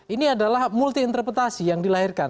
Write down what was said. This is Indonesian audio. ini adalah multi interpretasi yang dilahirkan